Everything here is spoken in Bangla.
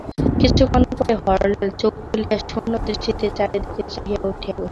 কিছুক্ষণ পরে হরলাল চোখ খুলিয়া শূন্য দৃষ্টিতে চারি দিকে চাহিয়া উঠিয়া বসিল।